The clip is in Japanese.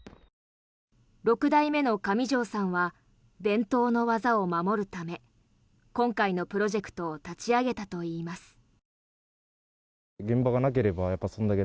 ６代目の上條さんは伝統の技を守るため今回のプロジェクトを立ち上げたといいます。